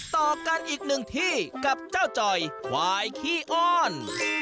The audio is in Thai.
ต่อกันอีกหนึ่งที่กับเจ้าจ่อยควายขี้อ้อน